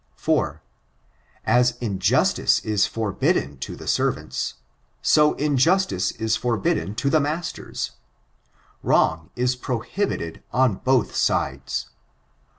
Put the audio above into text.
4. As injustice is forbidden to the servants, so injustice is forbidden to the masters. Wrong is pro hibited on both sides.